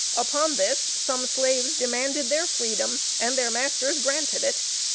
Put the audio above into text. Upon this, some slaves demanded their freedom, and their masters granted it.